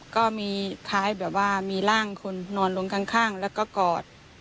ก็มีท้ายแบบว่ามีร่างคนนอนลงข้างแล้วก็กอด